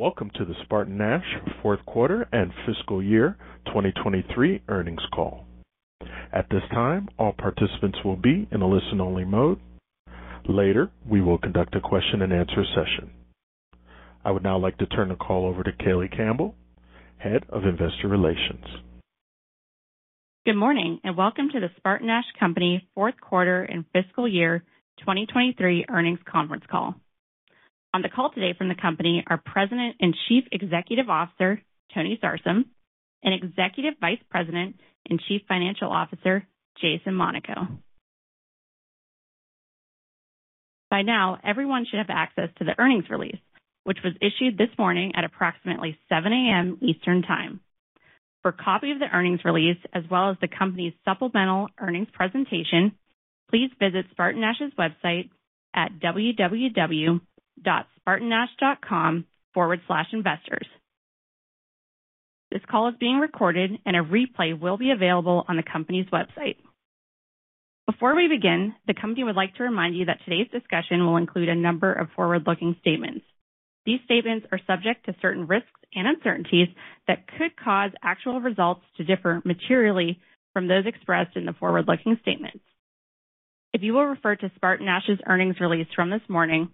Welcome to the SpartanNash Fourth Quarter and Fiscal Year 2023 Earnings Call. At this time, all participants will be in a listen-only mode. Later, we will conduct a question-and-answer session. I would now like to turn the call over to Kayleigh Campbell, Head of Investor Relations. Good morning and welcome to the SpartanNash Company Fourth Quarter and Fiscal Year 2023 Earnings Conference Call. On the call today from the company are President and Chief Executive Officer Tony Sarsam and Executive Vice President and Chief Financial Officer Jason Monaco. By now, everyone should have access to the earnings release, which was issued this morning at approximately 7:00 A.M. Eastern Time. For a copy of the earnings release as well as the company's supplemental earnings presentation, please visit SpartanNash's website at www.spartannash.com/investors. This call is being recorded, and a replay will be available on the company's website. Before we begin, the company would like to remind you that today's discussion will include a number of forward-looking statements. These statements are subject to certain risks and uncertainties that could cause actual results to differ materially from those expressed in the forward-looking statements. If you will refer to SpartanNash's earnings release from this morning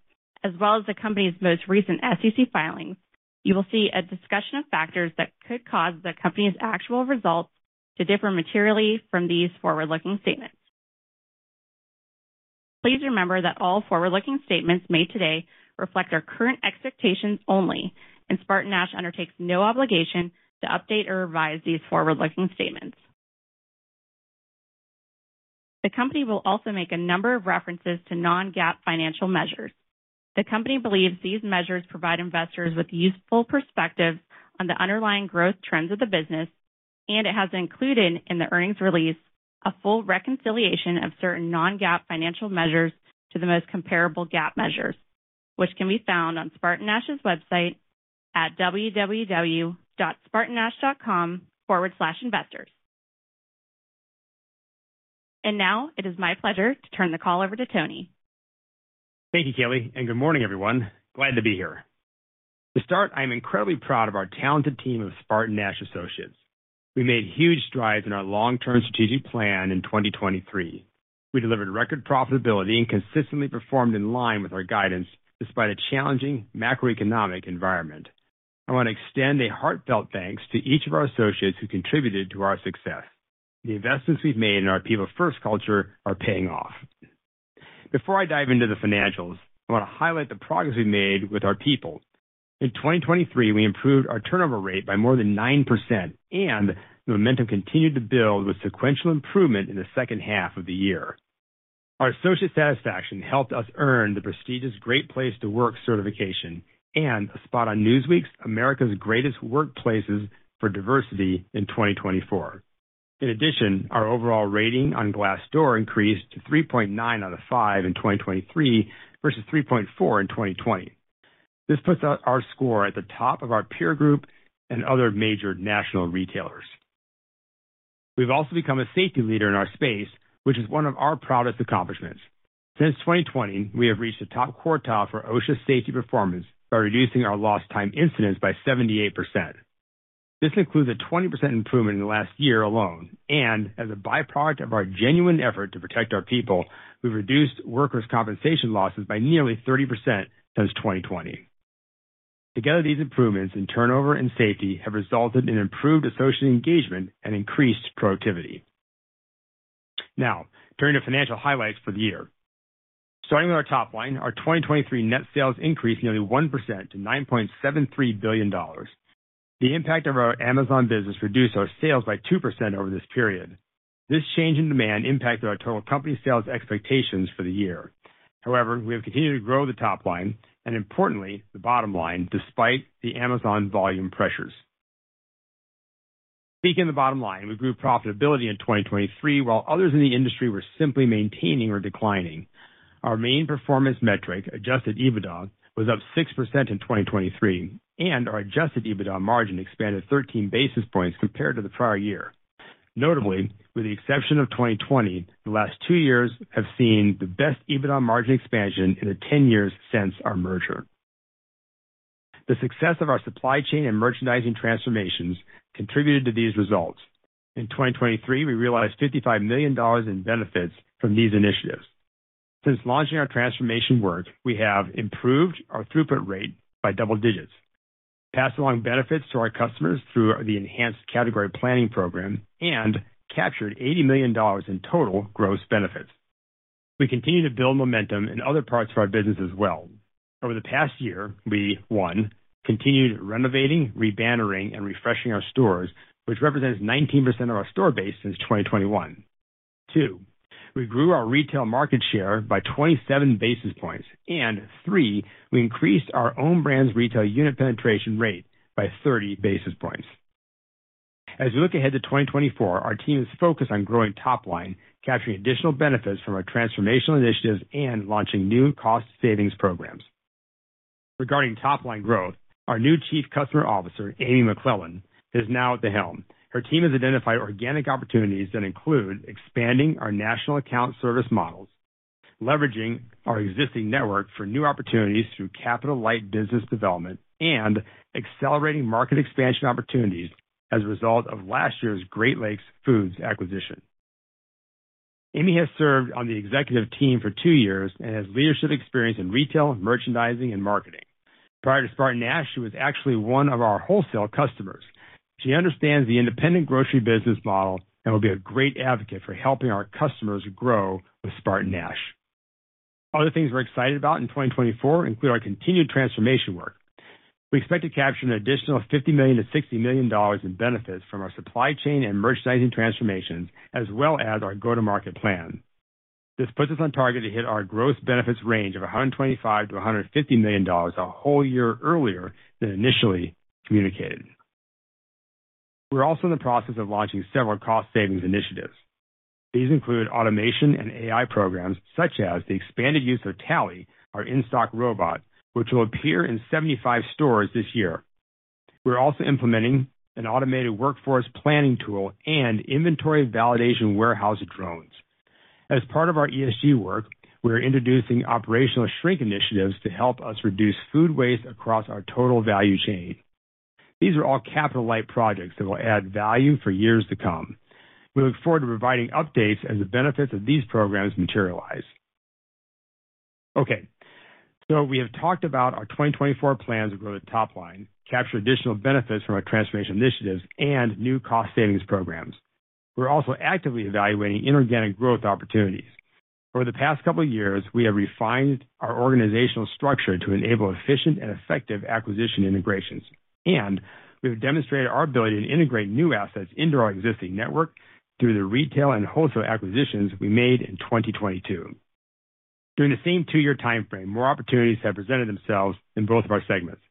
as well as the company's most recent SEC filings, you will see a discussion of factors that could cause the company's actual results to differ materially from these forward-looking statements. Please remember that all forward-looking statements made today reflect our current expectations only, and SpartanNash undertakes no obligation to update or revise these forward-looking statements. The company will also make a number of references to non-GAAP financial measures. The company believes these measures provide investors with useful perspectives on the underlying growth trends of the business, and it has included in the earnings release a full reconciliation of certain non-GAAP financial measures to the most comparable GAAP measures, which can be found on SpartanNash's website at www.spartannash.com/investors. Now it is my pleasure to turn the call over to Tony. Thank you, Kayleigh, and good morning, everyone. Glad to be here. To start, I am incredibly proud of our talented team of SpartanNash associates. We made huge strides in our long-term strategic plan in 2023. We delivered record profitability and consistently performed in line with our guidance despite a challenging macroeconomic environment. I want to extend a heartfelt thanks to each of our associates who contributed to our success. The investments we've made in our People First culture are paying off. Before I dive into the financials, I want to highlight the progress we've made with our people. In 2023, we improved our turnover rate by more than 9%, and the momentum continued to build with sequential improvement in the second half of the year. Our associate satisfaction helped us earn the prestigious Great Place to Work certification and a spot on Newsweek's America's Greatest Workplaces for Diversity in 2024. In addition, our overall rating on Glassdoor increased to 3.9 out of 5 in 2023 versus 3.4 in 2020. This puts our score at the top of our peer group and other major national retailers. We've also become a safety leader in our space, which is one of our proudest accomplishments. Since 2020, we have reached a top quartile for OSHA safety performance by reducing our lost-time incidents by 78%. This includes a 20% improvement in the last year alone, and as a byproduct of our genuine effort to protect our people, we've reduced workers' compensation losses by nearly 30% since 2020. Together, these improvements in turnover and safety have resulted in improved associate engagement and increased productivity. Now, turning to financial highlights for the year. Starting with our top line, our 2023 net sales increased nearly 1% to $9.73 billion. The impact of our Amazon business reduced our sales by 2% over this period. This change in demand impacted our total company sales expectations for the year. However, we have continued to grow the top line and, importantly, the bottom line despite the Amazon volume pressures. Peaking the bottom line, we grew profitability in 2023 while others in the industry were simply maintaining or declining. Our main performance metric, Adjusted EBITDA, was up 6% in 2023, and our Adjusted EBITDA margin expanded 13 basis points compared to the prior year. Notably, with the exception of 2020, the last two years have seen the best EBITDA margin expansion in the 10 years since our merger. The success of our supply chain and merchandising transformations contributed to these results. In 2023, we realized $55 million in benefits from these initiatives. Since launching our transformation work, we have improved our throughput rate by double digits, passed along benefits to our customers through the enhanced category planning program, and captured $80 million in total gross benefits. We continue to build momentum in other parts of our business as well. Over the past year, we: One. Continued renovating, rebannering, and refreshing our stores, which represents 19% of our store base since 2021. Two. We grew our retail market share by 27 basis points. Three. We increased our own brand's retail unit penetration rate by 30 basis points. As we look ahead to 2024, our team is focused on growing top line, capturing additional benefits from our transformational initiatives and launching new cost-savings programs. Regarding top line growth, our new Chief Customer Officer, Amy McClellan, is now at the helm. Her team has identified organic opportunities that include expanding our national account service models, leveraging our existing network for new opportunities through capital-light business development, and accelerating market expansion opportunities as a result of last year's Great Lakes Foods acquisition. Amy has served on the executive team for two years and has leadership experience in retail, merchandising, and marketing. Prior to SpartanNash, she was actually one of our wholesale customers. She understands the independent grocery business model and will be a great advocate for helping our customers grow with SpartanNash. Other things we're excited about in 2024 include our continued transformation work. We expect to capture an additional $50 million-$60 million in benefits from our supply chain and merchandising transformations as well as our go-to-market plan. This puts us on target to hit our gross benefits range of $125 million-$150 million a whole year earlier than initially communicated. We're also in the process of launching several cost-savings initiatives. These include automation and AI programs such as the expanded use of Tally, our in-stock robot, which will appear in 75 stores this year. We're also implementing an automated workforce planning tool and inventory validation warehouse drones. As part of our ESG work, we are introducing operational shrink initiatives to help us reduce food waste across our total value chain. These are all capital-light projects that will add value for years to come. We look forward to providing updates as the benefits of these programs materialize. Okay. So we have talked about our 2024 plans to grow the top line, capture additional benefits from our transformation initiatives, and new cost-savings programs. We're also actively evaluating inorganic growth opportunities. Over the past couple of years, we have refined our organizational structure to enable efficient and effective acquisition integrations, and we have demonstrated our ability to integrate new assets into our existing network through the retail and wholesale acquisitions we made in 2022. During the same two-year time frame, more opportunities have presented themselves in both of our segments.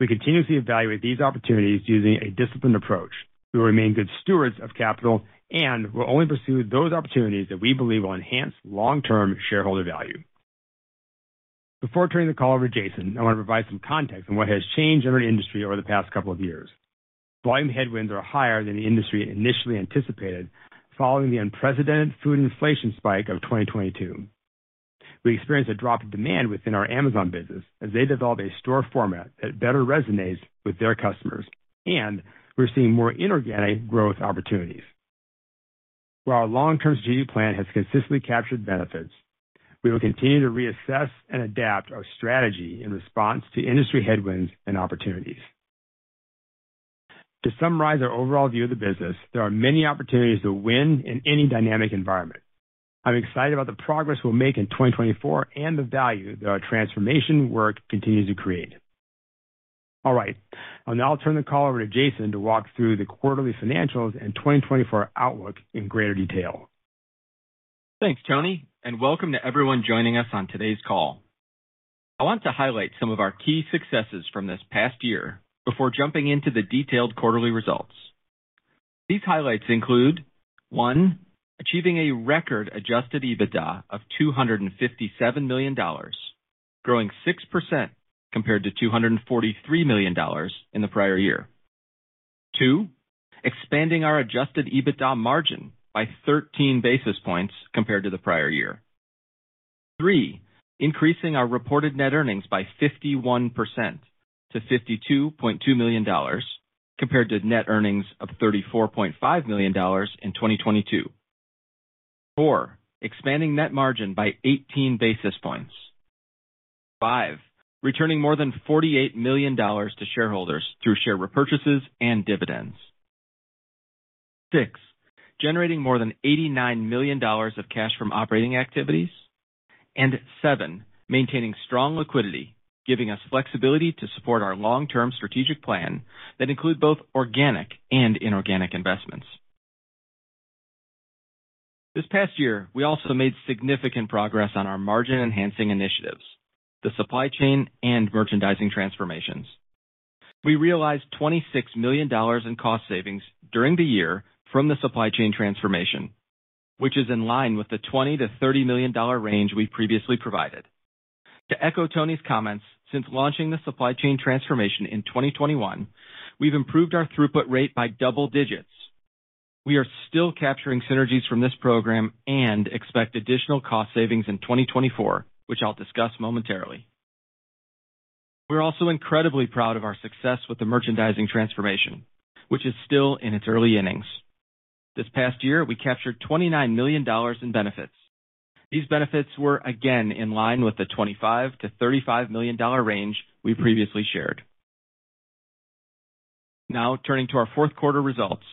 We continuously evaluate these opportunities using a disciplined approach. We will remain good stewards of capital and will only pursue those opportunities that we believe will enhance long-term shareholder value. Before turning the call over to Jason, I want to provide some context on what has changed in our industry over the past couple of years. Volume headwinds are higher than the industry initially anticipated following the unprecedented food inflation spike of 2022. We experienced a drop in demand within our Amazon business as they developed a store format that better resonates with their customers, and we're seeing more inorganic growth opportunities. While our long-term strategic plan has consistently captured benefits, we will continue to reassess and adapt our strategy in response to industry headwinds and opportunities. To summarize our overall view of the business, there are many opportunities to win in any dynamic environment. I'm excited about the progress we'll make in 2024 and the value that our transformation work continues to create. All right. I'll now turn the call over to Jason to walk through the quarterly financials and 2024 outlook in greater detail. Thanks, Tony, and welcome to everyone joining us on today's call. I want to highlight some of our key successes from this past year before jumping into the detailed quarterly results. These highlights include: One. Achieving a record Adjusted EBITDA of $257 million, growing 6% compared to $243 million in the prior year. Two. Expanding our Adjusted EBITDA margin by 13 basis points compared to the prior year. Three. Increasing our reported net earnings by 51% to $52.2 million compared to net earnings of $34.5 million in 2022. Four. Expanding net margin by 18 basis points. Five. Returning more than $48 million to shareholders through share repurchases and dividends. Six. Generating more than $89 million of cash from operating activities. Seven. Maintaining strong liquidity, giving us flexibility to support our long-term strategic plan that includes both organic and inorganic investments. This past year, we also made significant progress on our margin-enhancing initiatives, the supply chain and merchandising transformations. We realized $26 million in cost savings during the year from the supply chain transformation, which is in line with the $20 million-$30 million range we previously provided. To echo Tony's comments, since launching the supply chain transformation in 2021, we've improved our throughput rate by double digits. We are still capturing synergies from this program and expect additional cost savings in 2024, which I'll discuss momentarily. We're also incredibly proud of our success with the merchandising transformation, which is still in its early innings. This past year, we captured $29 million in benefits. These benefits were, again, in line with the $25 million-$35 million range we previously shared. Now, turning to our fourth quarter results.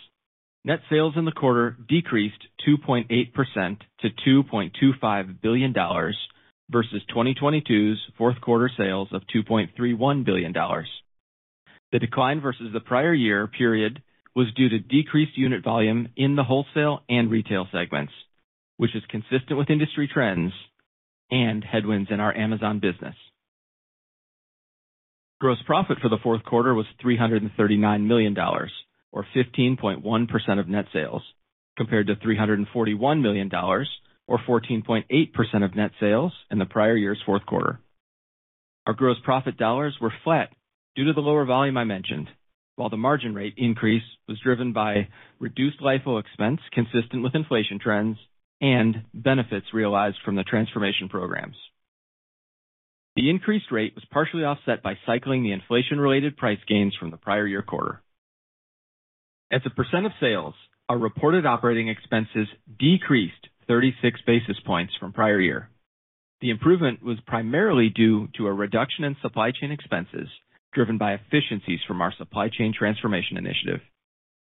Net sales in the quarter decreased 2.8% to $2.25 billion versus 2022's fourth quarter sales of $2.31 billion. The decline versus the prior year period was due to decreased unit volume in the wholesale and retail segments, which is consistent with industry trends and headwinds in our Amazon business. Gross profit for the fourth quarter was $339 million, or 15.1% of net sales, compared to $341 million, or 14.8% of net sales in the prior year's fourth quarter. Our gross profit dollars were flat due to the lower volume I mentioned, while the margin rate increase was driven by reduced LIFO expense consistent with inflation trends and benefits realized from the transformation programs. The increased rate was partially offset by cycling the inflation-related price gains from the prior year quarter. As a percent of sales, our reported operating expenses decreased 36 basis points from prior year. The improvement was primarily due to a reduction in supply chain expenses driven by efficiencies from our supply chain transformation initiative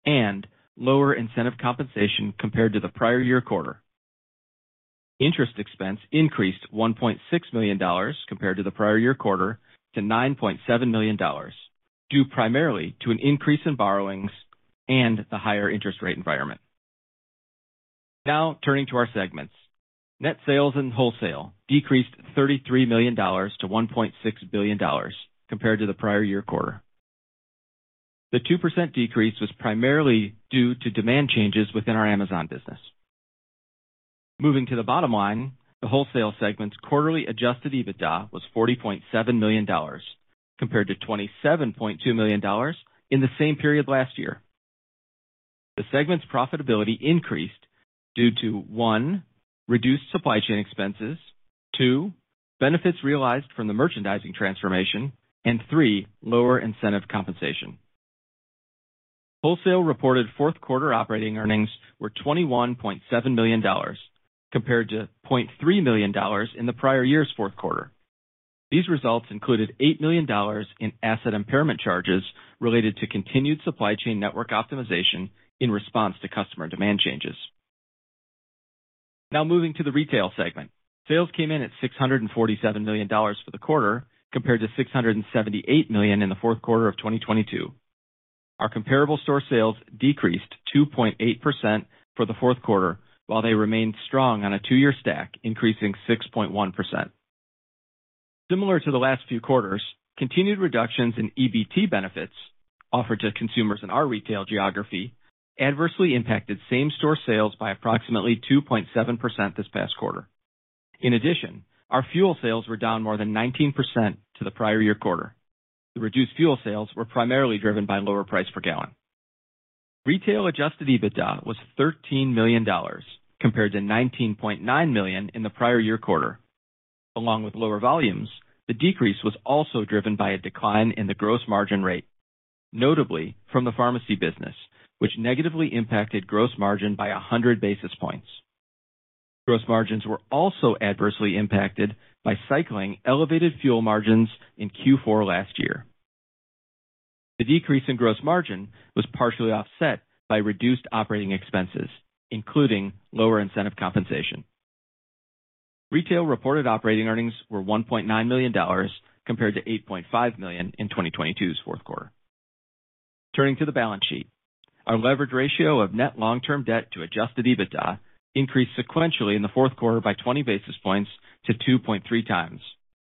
and lower incentive compensation compared to the prior year quarter. Interest expense increased $1.6 million compared to the prior year quarter to $9.7 million, due primarily to an increase in borrowings and the higher interest rate environment. Now, turning to our segments. Net sales and wholesale decreased $33 million to $1.6 billion compared to the prior year quarter. The 2% decrease was primarily due to demand changes within our Amazon business. Moving to the bottom line, the wholesale segment's quarterly Adjusted EBITDA was $40.7 million compared to $27.2 million in the same period last year. The segment's profitability increased due to: 1. Reduced supply chain expenses. 2. Benefits realized from the merchandising transformation. And 3. Lower incentive compensation. Wholesale reported fourth quarter operating earnings were $21.7 million compared to $0.3 million in the prior year's fourth quarter. These results included $8 million in asset impairment charges related to continued supply chain network optimization in response to customer demand changes. Now, moving to the retail segment. Sales came in at $647 million for the quarter compared to $678 million in the fourth quarter of 2022. Our comparable store sales decreased 2.8% for the fourth quarter, while they remained strong on a two-year stack, increasing 6.1%. Similar to the last few quarters, continued reductions in EBT benefits offered to consumers in our retail geography adversely impacted same-store sales by approximately 2.7% this past quarter. In addition, our fuel sales were down more than 19% to the prior year quarter. The reduced fuel sales were primarily driven by lower price per gallon. Retail adjusted EBITDA was $13 million compared to $19.9 million in the prior year quarter. Along with lower volumes, the decrease was also driven by a decline in the gross margin rate, notably from the pharmacy business, which negatively impacted gross margin by 100 basis points. Gross margins were also adversely impacted by cycling elevated fuel margins in Q4 last year. The decrease in gross margin was partially offset by reduced operating expenses, including lower incentive compensation. Retail reported operating earnings were $1.9 million compared to $8.5 million in 2022's fourth quarter. Turning to the balance sheet. Our leverage ratio of net long-term debt to adjusted EBITDA increased sequentially in the fourth quarter by 20 basis points to 2.3 times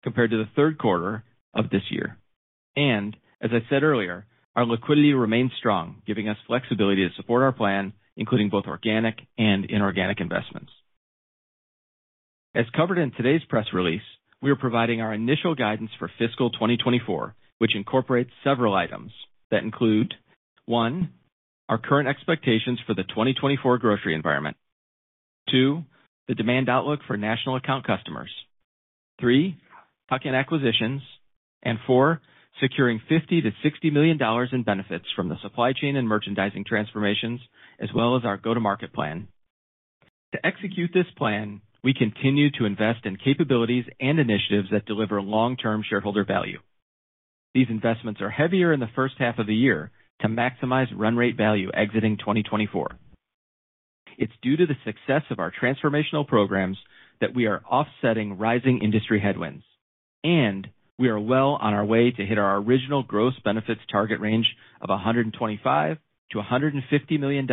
compared to the third quarter of this year. As I said earlier, our liquidity remains strong, giving us flexibility to support our plan, including both organic and inorganic investments. As covered in today's press release, we are providing our initial guidance for fiscal 2024, which incorporates several items that include: One. Our current expectations for the 2024 grocery environment. Two. The demand outlook for national account customers. Three. Tuck-in acquisitions. And 4. Securing $50 million-$60 million in benefits from the supply chain and merchandising transformations, as well as our go-to-market plan. To execute this plan, we continue to invest in capabilities and initiatives that deliver long-term shareholder value. These investments are heavier in the first half of the year to maximize run-rate value exiting 2024. It's due to the success of our transformational programs that we are offsetting rising industry headwinds, and we are well on our way to hit our original gross benefits target range of $125 million-$150 million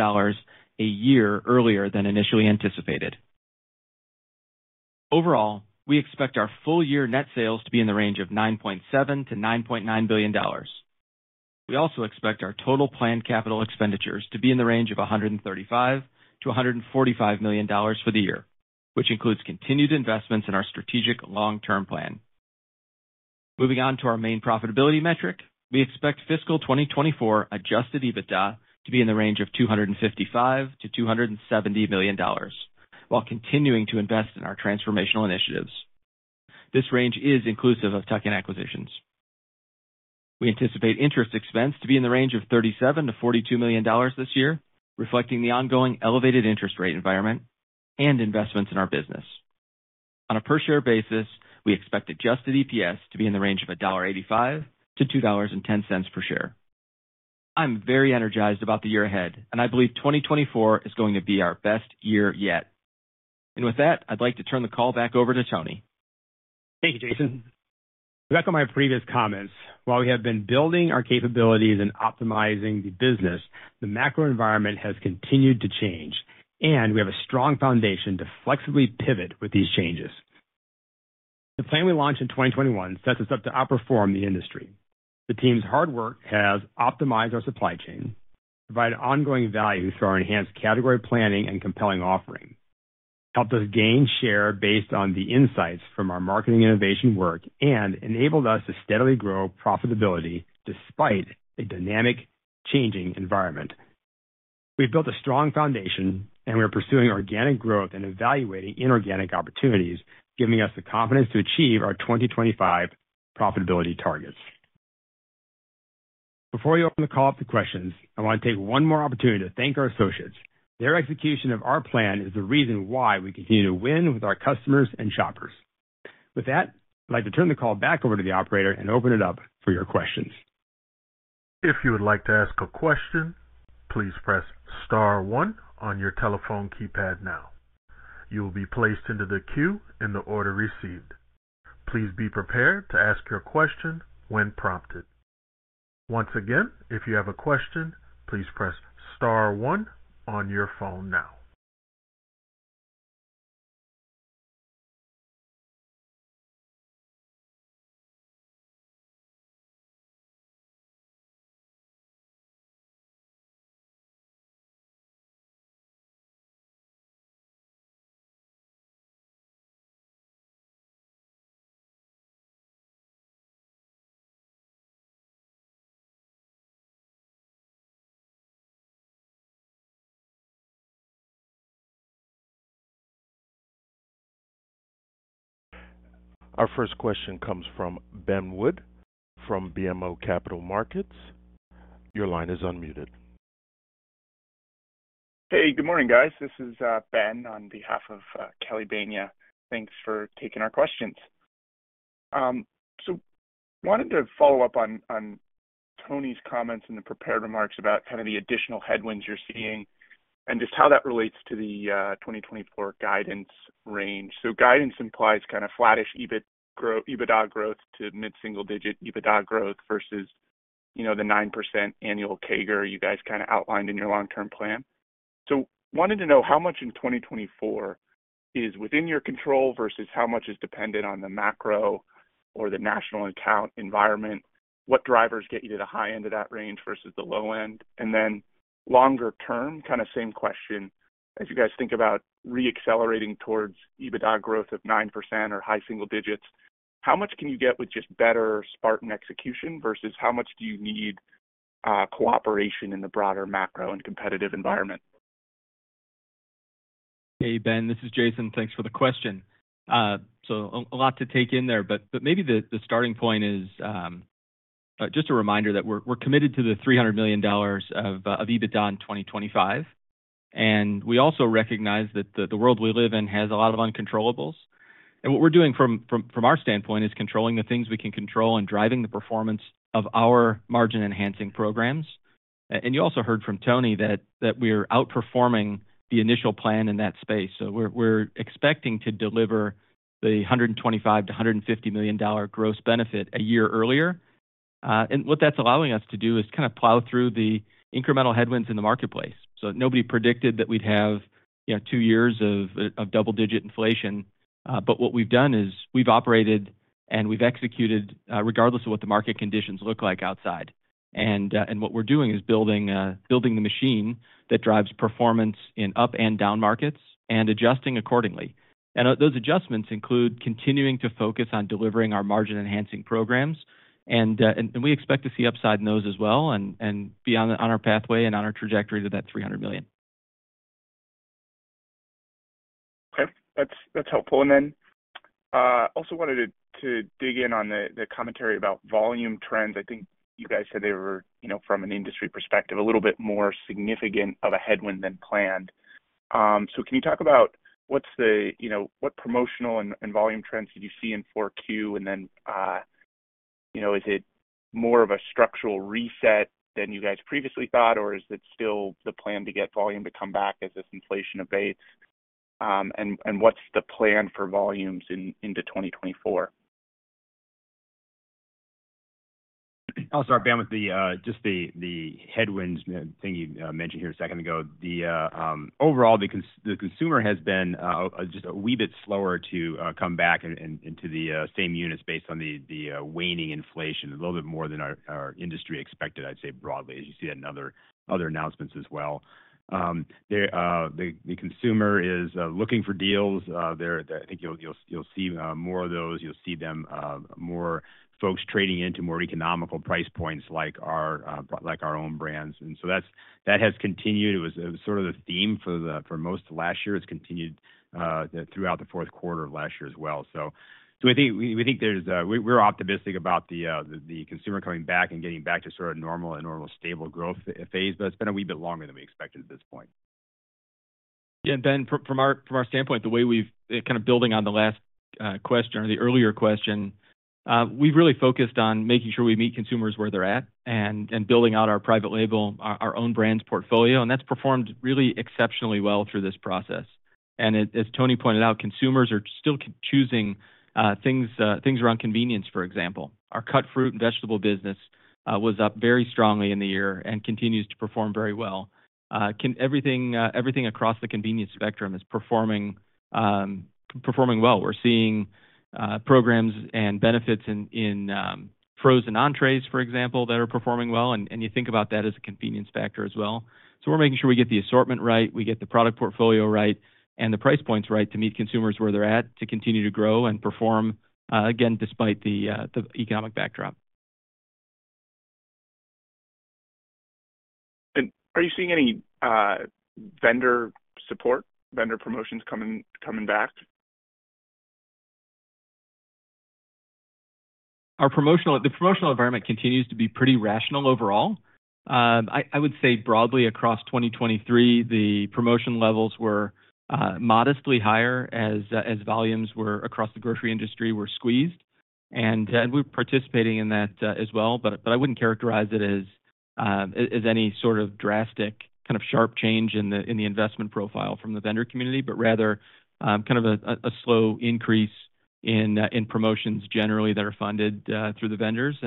a year earlier than initially anticipated. Overall, we expect our full-year net sales to be in the range of $9.7 billion-$9.9 billion. We also expect our total planned capital expenditures to be in the range of $135 million-$145 million for the year, which includes continued investments in our strategic long-term plan. Moving on to our main profitability metric, we expect fiscal 2024 Adjusted EBITDA to be in the range of $255 million-$270 million while continuing to invest in our transformational initiatives. This range is inclusive of tuck-in acquisitions. We anticipate interest expense to be in the range of $37 million-$42 million this year, reflecting the ongoing elevated interest rate environment and investments in our business. On a per-share basis, we expect Adjusted EPS to be in the range of $1.85-$2.10 per share. I'm very energized about the year ahead, and I believe 2024 is going to be our best year yet. With that, I'd like to turn the call back over to Tony. Thank you, Jason. To echo my previous comments, while we have been building our capabilities and optimizing the business, the macro environment has continued to change, and we have a strong foundation to flexibly pivot with these changes. The plan we launched in 2021 sets us up to outperform the industry. The team's hard work has optimized our supply chain, provided ongoing value through our enhanced category planning and compelling offering, helped us gain share based on the insights from our marketing innovation work, and enabled us to steadily grow profitability despite a dynamic, changing environment. We've built a strong foundation, and we are pursuing organic growth and evaluating inorganic opportunities, giving us the confidence to achieve our 2025 profitability targets. Before we open the call up to questions, I want to take one more opportunity to thank our associates. Their execution of our plan is the reason why we continue to win with our customers and shoppers. With that, I'd like to turn the call back over to the operator and open it up for your questions. If you would like to ask a question, please press star one on your telephone keypad now. You will be placed into the queue in the order received. Please be prepared to ask your question when prompted. Once again, if you have a question, please press star one on your phone now. Our first question comes from Ben Wood from BMO Capital Markets. Your line is unmuted. Hey, good morning, guys. This is Ben on behalf of Kelly Bania. Thanks for taking our questions. So wanted to follow up on Tony's comments and the prepared remarks about kind of the additional headwinds you're seeing and just how that relates to the 2024 guidance range. So guidance implies kind of flattish EBITDA growth to mid-single-digit EBITDA growth versus the 9% annual CAGR you guys kind of outlined in your long-term plan. So wanted to know how much in 2024 is within your control versus how much is dependent on the macro or the national account environment, what drivers get you to the high end of that range versus the low end. And then longer-term, kind of same question, as you guys think about reaccelerating towards EBITDA growth of 9% or high single digits, how much can you get with just better Spartan execution versus how much do you need cooperation in the broader macro and competitive environment? Hey, Ben. This is Jason. Thanks for the question. A lot to take in there, but maybe the starting point is just a reminder that we're committed to the $300 million of EBITDA in 2025. We also recognize that the world we live in has a lot of uncontrollables. What we're doing from our standpoint is controlling the things we can control and driving the performance of our margin-enhancing programs. You also heard from Tony that we are outperforming the initial plan in that space. We're expecting to deliver the $125 million-$150 million gross benefit a year earlier. What that's allowing us to do is kind of plow through the incremental headwinds in the marketplace. Nobody predicted that we'd have two years of double-digit inflation, but what we've done is we've operated and we've executed regardless of what the market conditions look like outside. What we're doing is building the machine that drives performance in up and down markets and adjusting accordingly. Those adjustments include continuing to focus on delivering our margin-enhancing programs, and we expect to see upside in those as well and be on our pathway and on our trajectory to that $300 million. Okay. That's helpful. And then also wanted to dig in on the commentary about volume trends. I think you guys said they were, from an industry perspective, a little bit more significant of a headwind than planned. So can you talk about what's the what promotional and volume trends did you see in 4Q? And then is it more of a structural reset than you guys previously thought, or is it still the plan to get volume to come back as this inflation abates? And what's the plan for volumes into 2024? I'll start, Ben, with just the headwinds thing you mentioned here a second ago. Overall, the consumer has been just a wee bit slower to come back into the same units based on the waning inflation, a little bit more than our industry expected, I'd say, broadly, as you see that in other announcements as well. The consumer is looking for deals. I think you'll see more of those. You'll see more folks trading into more economical price points like our own brands. And so that has continued. It was sort of the theme for most of last year. It's continued throughout the fourth quarter of last year as well. So we think we're optimistic about the consumer coming back and getting back to sort of normal and stable growth phase, but it's been a wee bit longer than we expected at this point. Yeah. Ben, from our standpoint, the way we've kind of building on the last question or the earlier question, we've really focused on making sure we meet consumers where they're at and building out our private label, our own brands portfolio. And that's performed really exceptionally well through this process. And as Tony pointed out, consumers are still choosing things around convenience, for example. Our cut fruit and vegetable business was up very strongly in the year and continues to perform very well. Everything across the convenience spectrum is performing well. We're seeing programs and benefits in frozen entrées, for example, that are performing well. And you think about that as a convenience factor as well. We're making sure we get the assortment right, we get the product portfolio right, and the price points right to meet consumers where they're at to continue to grow and perform, again, despite the economic backdrop. Are you seeing any vendor support, vendor promotions coming back? The promotional environment continues to be pretty rational overall. I would say broadly, across 2023, the promotion levels were modestly higher as volumes across the grocery industry were squeezed. We're participating in that as well, but I wouldn't characterize it as any sort of drastic, kind of sharp change in the investment profile from the vendor community, but rather kind of a slow increase in promotions generally that are funded through the vendors.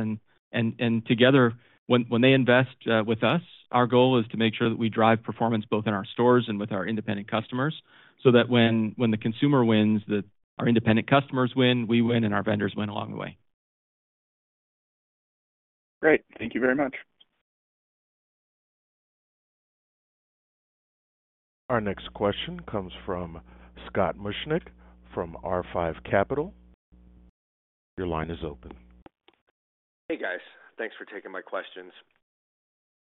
Together, when they invest with us, our goal is to make sure that we drive performance both in our stores and with our independent customers so that when the consumer wins, that our independent customers win, we win, and our vendors win along the way. Great. Thank you very much. Our next question comes from Scott Mushkin from R5 Capital. Your line is open. Hey, guys. Thanks for taking my questions.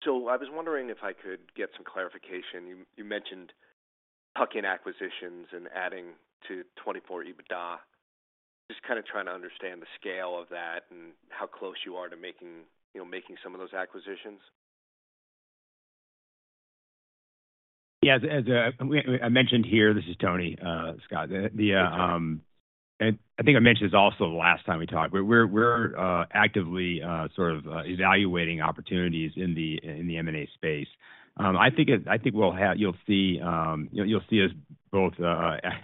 So I was wondering if I could get some clarification. You mentioned tuck-in acquisitions and adding to 2024 EBITDA. Just kind of trying to understand the scale of that and how close you are to making some of those acquisitions. Yeah. I mentioned here this is Tony, Scott. And I think I mentioned this also the last time we talked. We're actively sort of evaluating opportunities in the M&A space. I think you'll see us both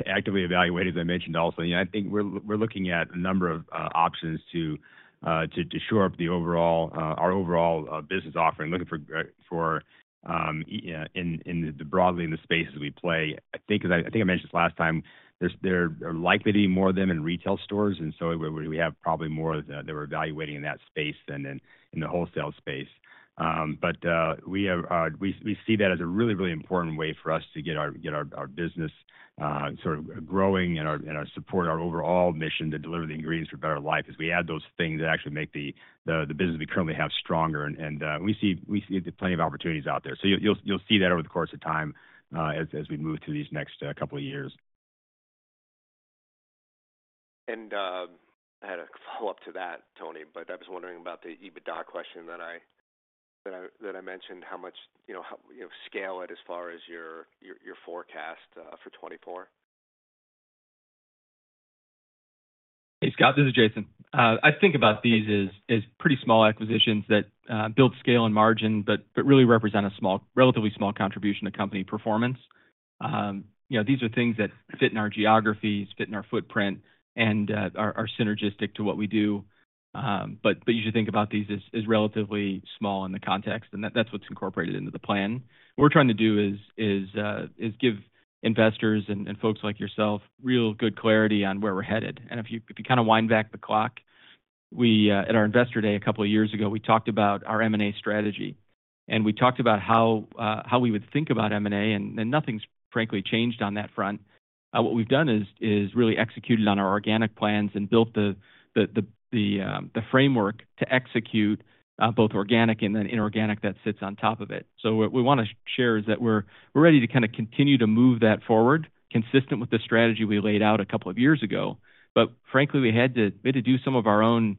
actively evaluating, as I mentioned also. I think we're looking at a number of options to shore up our overall business offering, looking for in the broadly in the spaces we play. I think, as I think I mentioned this last time, there are likely to be more of them in retail stores, and so we have probably more that we're evaluating in that space than in the wholesale space. We see that as a really, really important way for us to get our business sort of growing and support our overall mission to deliver the ingredients for better life as we add those things that actually make the business we currently have stronger. We see plenty of opportunities out there. You'll see that over the course of time as we move through these next couple of years. I had a follow-up to that, Tony, but I was wondering about the EBITDA question that I mentioned, how much scale it as far as your forecast for 2024? Hey, Scott. This is Jason. I think about these as pretty small acquisitions that build scale and margin but really represent a relatively small contribution to company performance. These are things that fit in our geographies, fit in our footprint, and are synergistic to what we do. But you should think about these as relatively small in the context, and that's what's incorporated into the plan. What we're trying to do is give investors and folks like yourself real good clarity on where we're headed. And if you kind of wind back the clock, at our investor day a couple of years ago, we talked about our M&A strategy, and we talked about how we would think about M&A, and nothing's, frankly, changed on that front. What we've done is really executed on our organic plans and built the framework to execute both organic and then inorganic that sits on top of it. So what we want to share is that we're ready to kind of continue to move that forward consistent with the strategy we laid out a couple of years ago. But frankly, we had to do some of our own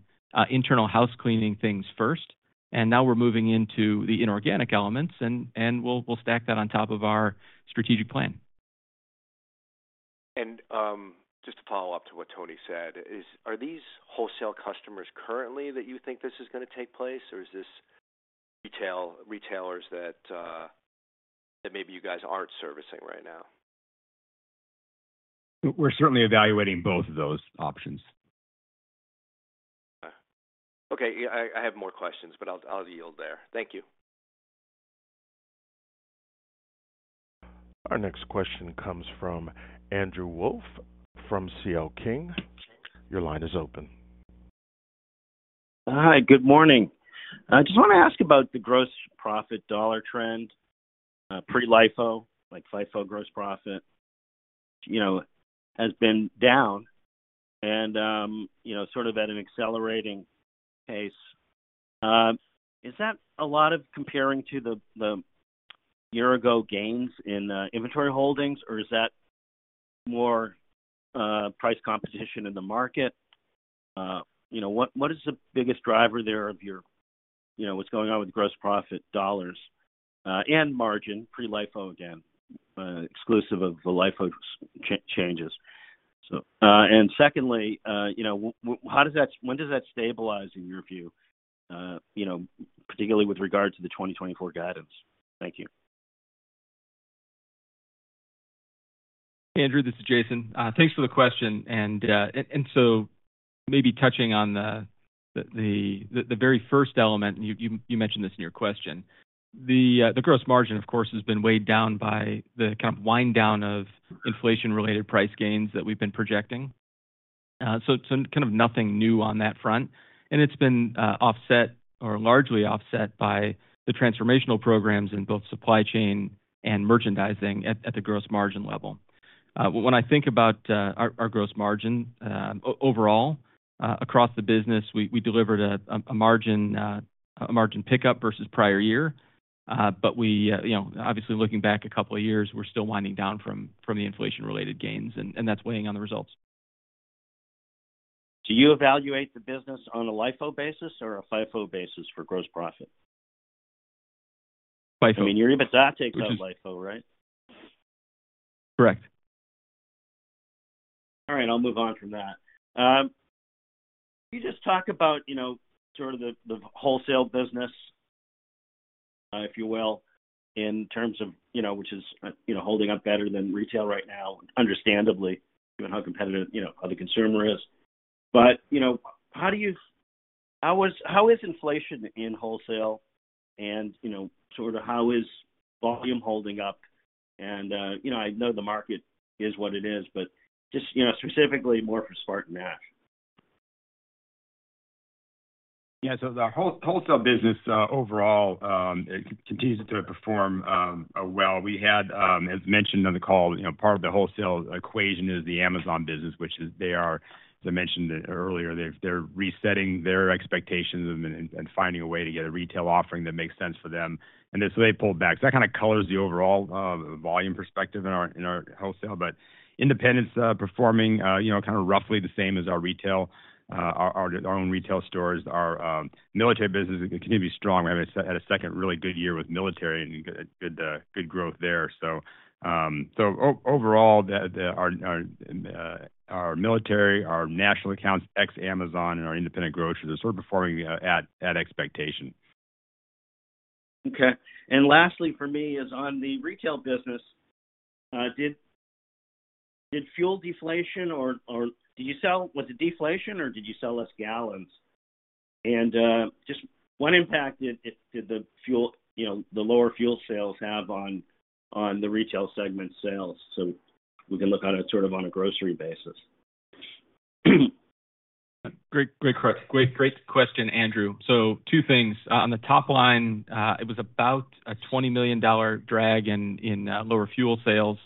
internal house cleaning things first, and now we're moving into the inorganic elements, and we'll stack that on top of our strategic plan. Just to follow up to what Tony said, are these wholesale customers currently that you think this is going to take place, or is this retailers that maybe you guys aren't servicing right now? We're certainly evaluating both of those options. Okay. I have more questions, but I'll yield there. Thank you. Our next question comes from Andrew Wolf from CL King. Your line is open. Hi. Good morning. I just want to ask about the gross profit dollar trend. Pre-LIFO, like FIFO gross profit, has been down and sort of at an accelerating pace. Is that a lot of comparing to the year-ago gains in inventory holdings, or is that more price competition in the market? What is the biggest driver there of what's going on with gross profit dollars and margin, pre-LIFO again, exclusive of the LIFO changes? And secondly, when does that stabilize in your view, particularly with regard to the 2024 guidance? Thank you. Andrew, this is Jason. Thanks for the question. And so maybe touching on the very first element, and you mentioned this in your question, the gross margin, of course, has been weighed down by the kind of wind-down of inflation-related price gains that we've been projecting. So kind of nothing new on that front. And it's been offset or largely offset by the transformational programs in both supply chain and merchandising at the gross margin level. When I think about our gross margin overall, across the business, we delivered a margin pickup versus prior year. But obviously, looking back a couple of years, we're still winding down from the inflation-related gains, and that's weighing on the results. Do you evaluate the business on a LIFO basis or a FIFO basis for gross profit? FIFO. I mean, your EBITDA takes out LIFO, right? Correct. All right. I'll move on from that. Can you just talk about sort of the wholesale business, if you will, in terms of which is holding up better than retail right now, understandably, given how competitive the consumer is? But how is inflation in wholesale, and sort of how is volume holding up? And I know the market is what it is, but just specifically more for SpartanNash. Yeah. So the wholesale business overall continues to perform well. We had, as mentioned on the call, part of the wholesale equation is the Amazon business, which they are, as I mentioned earlier, they're resetting their expectations and finding a way to get a retail offering that makes sense for them. And so they pulled back. So that kind of colors the overall volume perspective in our wholesale. But independents are performing kind of roughly the same as our retail, our own retail stores. Our military business continues to be strong. We had a second really good year with military and good growth there. So overall, our military, our national accounts ex-Amazon, and our independent groceries are sort of performing at expectation. Okay. And lastly for me, is on the retail business, did fuel deflation or did you sell was it deflation, or did you sell less gallons? And just what impact did the lower fuel sales have on the retail segment sales so we can look at it sort of on a grocery basis? Great question, Andrew. So two things. On the top line, it was about a $20 million drag in lower fuel sales.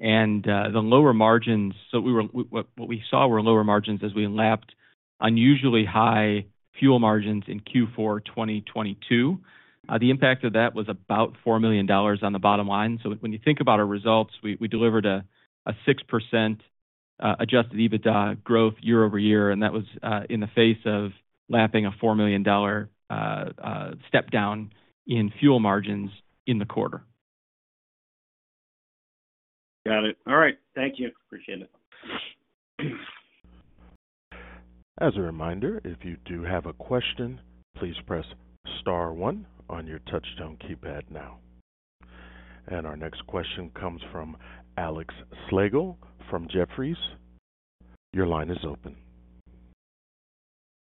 And the lower margins, so what we saw were lower margins as we lapped unusually high fuel margins in Q4 2022. The impact of that was about $4 million on the bottom line. So when you think about our results, we delivered a 6% Adjusted EBITDA growth year-over-year, and that was in the face of lapping a $4 million step-down in fuel margins in the quarter. Got it. All right. Thank you. Appreciate it. As a reminder, if you do have a question, please press star one on your touch-tone keypad now. Our next question comes from Alex Slagle from Jefferies. Your line is open.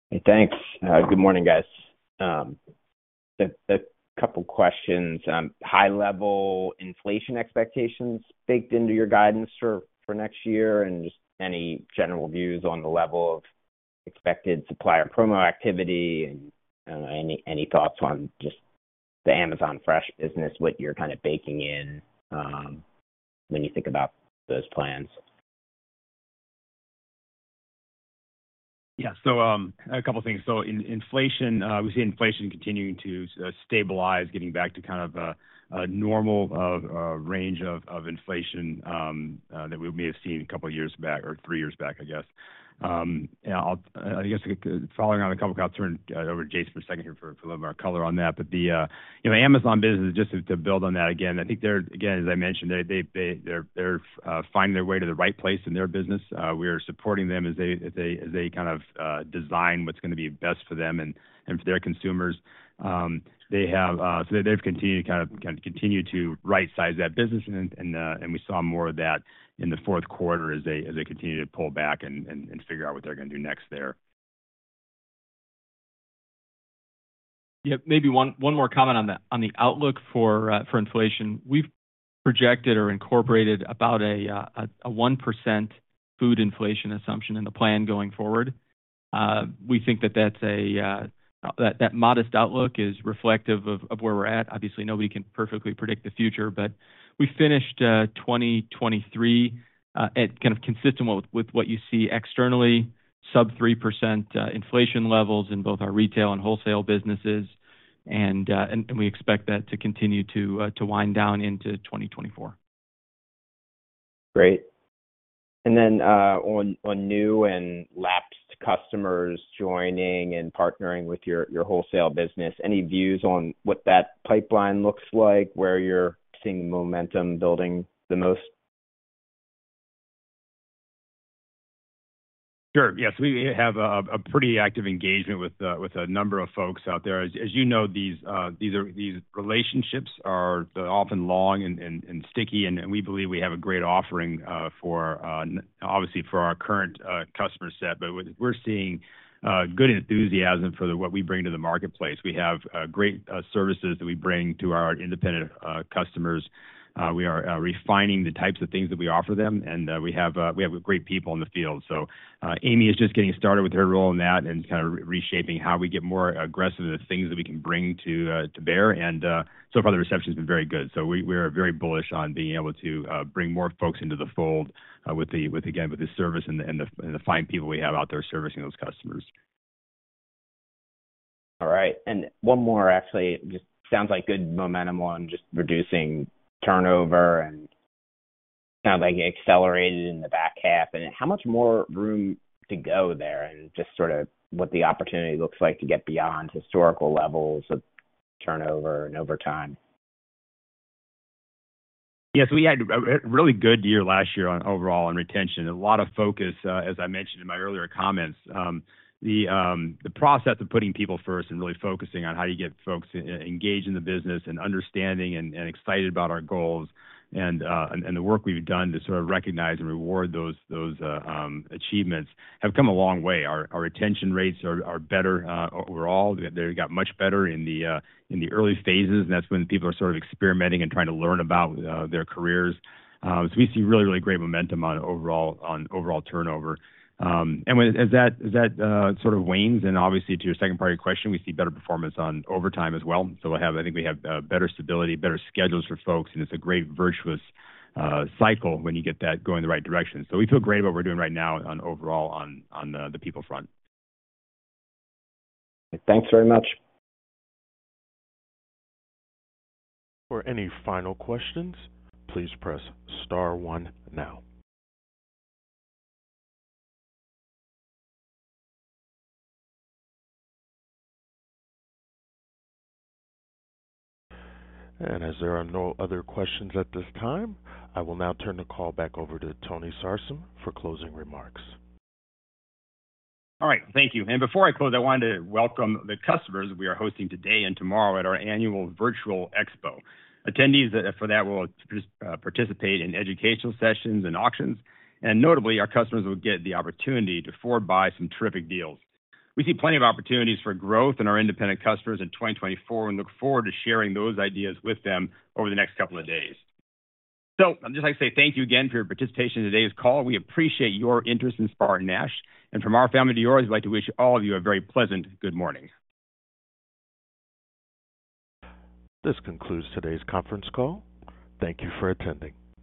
Hey, thanks. Good morning, guys. A couple of questions. High-level inflation expectations baked into your guidance for next year and just any general views on the level of expected supplier promo activity and any thoughts on just the Amazon Fresh business, what you're kind of baking in when you think about those plans? Yeah. So a couple of things. So we see inflation continuing to stabilize, getting back to kind of a normal range of inflation that we may have seen a couple of years back or three years back, I guess. I guess, following on a couple of counts, I'll turn over to Jason for a second here for a little bit more color on that. But the Amazon business, just to build on that again, I think they're, again, as I mentioned, finding their way to the right place in their business. We are supporting them as they kind of design what's going to be best for them and for their consumers. So they've continued to kind of continue to right-size that business, and we saw more of that in the fourth quarter as they continue to pull back and figure out what they're going to do next there. Yep. Maybe one more comment on the outlook for inflation. We've projected or incorporated about a 1% food inflation assumption in the plan going forward. We think that that modest outlook is reflective of where we're at. Obviously, nobody can perfectly predict the future, but we finished 2023 kind of consistent with what you see externally, sub-3% inflation levels in both our retail and wholesale businesses, and we expect that to continue to wind down into 2024. Great. And then on new and lapsed customers joining and partnering with your wholesale business, any views on what that pipeline looks like, where you're seeing the momentum building the most? Sure. Yes. We have a pretty active engagement with a number of folks out there. As you know, these relationships are often long and sticky, and we believe we have a great offering, obviously, for our current customer set. But we're seeing good enthusiasm for what we bring to the marketplace. We have great services that we bring to our independent customers. We are refining the types of things that we offer them, and we have great people in the field. So Amy is just getting started with her role in that and kind of reshaping how we get more aggressive in the things that we can bring to bear. And so far, the reception has been very good. So we are very bullish on being able to bring more folks into the fold, again, with the service and the fine people we have out there servicing those customers. All right. And one more, actually. It just sounds like good momentum on just reducing turnover and sounds like accelerated in the back half. And how much more room to go there and just sort of what the opportunity looks like to get beyond historical levels of turnover and overtime? Yeah. So we had a really good year last year overall in retention, a lot of focus, as I mentioned in my earlier comments. The process of putting people first and really focusing on how you get folks engaged in the business and understanding and excited about our goals and the work we've done to sort of recognize and reward those achievements have come a long way. Our retention rates are better overall. They got much better in the early phases, and that's when people are sort of experimenting and trying to learn about their careers. So we see really, really great momentum on overall turnover. And as that sort of wanes, and obviously, to your second-party question, we see better performance on overtime as well. So I think we have better stability, better schedules for folks, and it's a great virtuous cycle when you get that going the right direction. So we feel great about what we're doing right now overall on the people front. Thanks very much. For any final questions, please press star one now. As there are no other questions at this time, I will now turn the call back over to Tony Sarsam for closing remarks. All right. Thank you. Before I close, I wanted to welcome the customers we are hosting today and tomorrow at our annual virtual expo. Attendees for that will participate in educational sessions and auctions. And notably, our customers will get the opportunity to pre-buy some terrific deals. We see plenty of opportunities for growth in our independent customers in 2024 and look forward to sharing those ideas with them over the next couple of days. Just like I say, thank you again for your participation in today's call. We appreciate your interest in SpartanNash. From our family to yours, we'd like to wish all of you a very pleasant good morning. This concludes today's conference call. Thank you for attending.